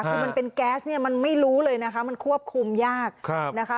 คือมันเป็นแก๊สเนี่ยมันไม่รู้เลยนะคะมันควบคุมยากนะคะ